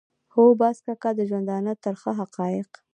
خو باز کاکا د ژوندانه ترخه حقایق.